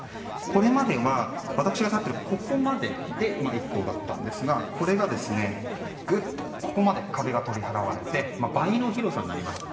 これまでは私が立っているここまでで１頭だったんですがこれがここまで壁が取り払われて倍の広さになりました。